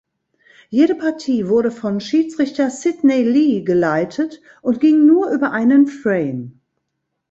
Jede Partie wurde von Schiedsrichter Sydney Lee geleitet und ging nur über einen Frame.